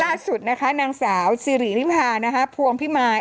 ล่าสุดนะคะนางสาวสิรินิพาณพวงพี่มาย